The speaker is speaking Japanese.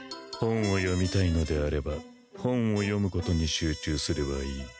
本を読みたいのであれば本を読むことに集中すればいい。